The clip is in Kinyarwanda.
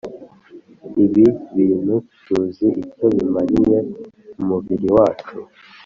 ibi bintu tuzi icyo bimariye umubiri wacu.